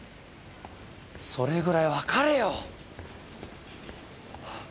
それぐらいわかれよ！